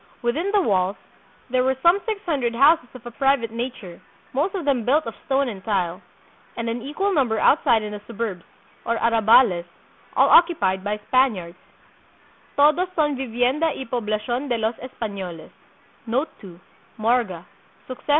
Within the walls, there were some six hundred houses of a private nature, most of them built of stone and tile, and an equal number outside in the suburbs, or "arrabales," all occupied by Spaniards ("todos son vivienda y pob lacion de los Espanoles").